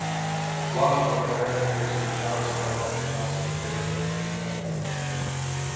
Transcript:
The plot of the opera is based on Charles Perrault's classic fairy tale "Cinderella".